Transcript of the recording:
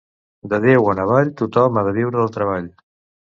De Déu en avall tothom ha de viure del treball.